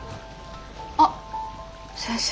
あっ先生。